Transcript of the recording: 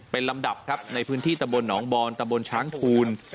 เป็นลำดับครับในพื้นที่ตำบลหนองบอนตะบนช้างภูล